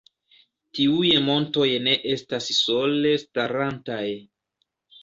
Tiuj montoj ne estas sole starantaj.